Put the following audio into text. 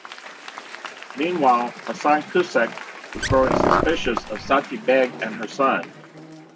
Meanwhile, Hasan Kucek was growing suspicious of Sati Beg and her son.